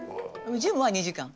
ジムは２時間。